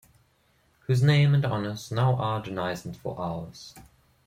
Whose name and honours now are denizened for ours.